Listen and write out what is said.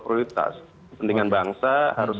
prioritas kepentingan bangsa harus